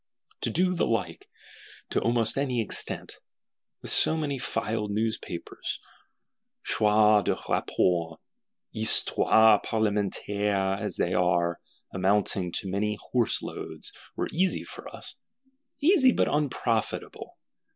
To do the like, to almost any extent, with so many Filed Newspapers, Choix des Rapports, Histoires Parlementaires as there are, amounting to many horseloads, were easy for us. Easy but unprofitable.